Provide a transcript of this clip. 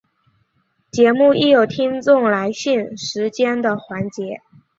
节目亦有听众来信时间的环节。